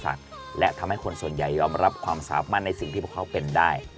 ผ่านอุปสรรคและทำให้คนส่วนใหญ่ยอมรับความสาบมั่นในสิ่งที่พวกเขาเป็นได้